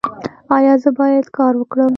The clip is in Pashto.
ایا زه باید کار وکړم؟